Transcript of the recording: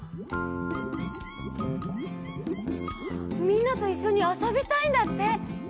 みんなといっしょにあそびたいんだって！